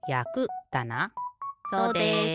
そうです。